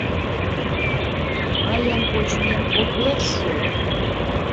Мыйын кочмем огеш шу!